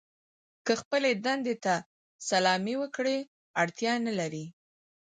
که خپلې دندې ته سلامي وکړئ اړتیا نه لرئ.